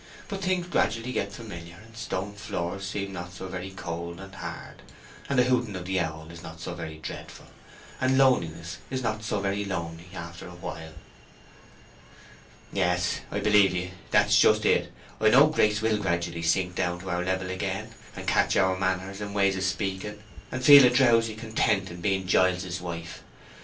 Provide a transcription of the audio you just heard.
But things gradually get familiar, and stone floors seem not so very cold and hard, and the hooting of the owls not so very dreadful, and loneliness not so very lonely, after a while." "Yes, I believe ye. That's just it. I know Grace will gradually sink down to our level again, and catch our manners and way of speaking, and feel a drowsy content in being Giles's wife.